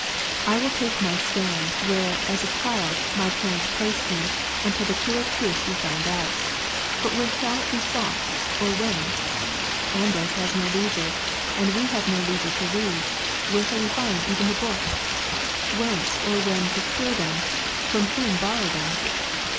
I will take my stand, where, as a child, my parents placed me, until the clear truth be found out. But where shall it be sought or when ? Ambrose has no leisure ; we have no leisure to read ; where shall we find even the books ? Whence, or when procure them ? from whom borrow them